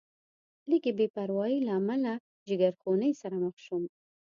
لږې بې پروایۍ له امله جیګرخونۍ سره مخ شوم.